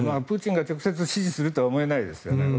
プーチンが直接指示するとは思えないですよね。